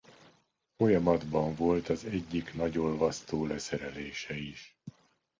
Folyamatban volt az egyik nagyolvasztó leszerelése is.